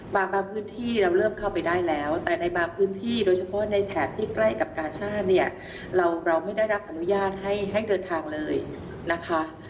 บางพื้นที่เราเริ่มเข้าไปได้แล้วแต่ในบางพื้นที่โดยเฉพาะในแถบที่ใกล้กับกาซ่าเนี่ยเราไม่ได้รับอนุญาตให้เดินทางเลยนะคะ